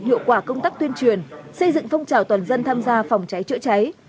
hiệu quả công tác tuyên truyền xây dựng phong trào toàn dân tham gia phòng cháy chữa cháy